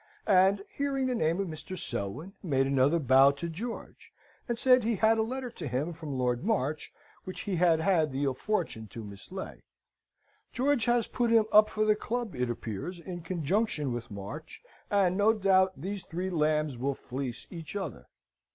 and, hearing the name of Mr. Selwyn, made another bow to George, and said he had a letter to him from Lord March, which he had had the ill fortune to mislay. George has put him up for the club, it appears, in conjunction with March, and no doubt these three lambs will fleece each other.